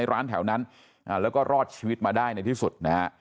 แล้วก็รอดชีวิตมาได้ในที่สุด